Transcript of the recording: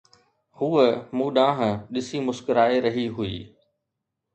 هوءَ مون ڏانهن ڏسي مسڪرائي رهي هئي